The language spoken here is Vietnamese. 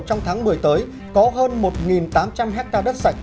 trong tháng một mươi tới có hơn một tám trăm linh hectare đất sạch